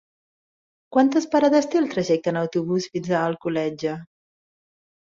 Quantes parades té el trajecte en autobús fins a Alcoletge?